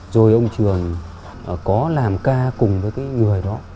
rồi ông trường có làm ca cùng với cái người đó